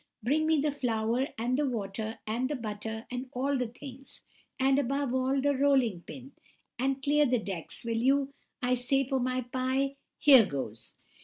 Bring me the flour, and the water, and the butter, and all the things—and, above all, the rolling pin—and clear the decks, will you, I say, for my pie. Here goes!